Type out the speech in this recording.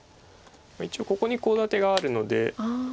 一応ここにコウ立てがあるので。